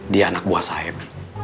dia anak buah sahib